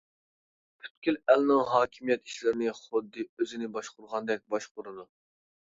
پۈتكۈل ئەلنىڭ ھاكىمىيەت ئىشلىرىنى خۇددى ئۆزىنى باشقۇرغاندەك باشقۇرىدۇ.